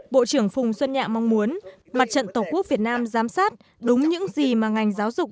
bộ trưởng phùng xuân nhạ mong muốn mặt trận tổ quốc việt nam giám sát đúng những gì mà ngành giáo dục